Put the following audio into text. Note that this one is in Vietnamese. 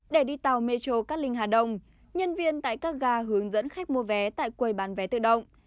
để đi tàu mê châu cát linh hà đông nhân viên tại các gà hướng dẫn khách mua vé tại quầy bán vé tự động